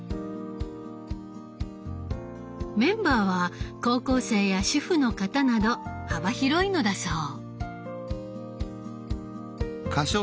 メンバーは高校生や主婦の方など幅広いのだそう。